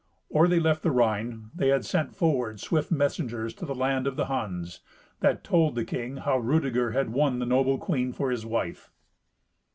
Or they left the Rhine, they had sent forward swift messengers to the land of the Huns, that told the king how Rudeger had won the noble queen for his wife.